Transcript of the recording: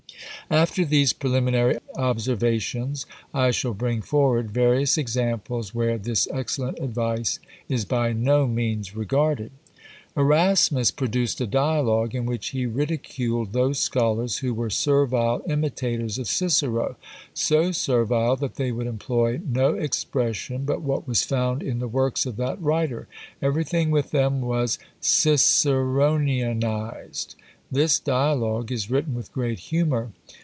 After these preliminary observations, I shall bring forward various examples where this excellent advice is by no means regarded. Erasmus produced a dialogue, in which he ridiculed those scholars who were servile imitators of Cicero; so servile, that they would employ no expression but what was found in the works of that writer; everything with them was Ciceronianised. This dialogue is written with great humour.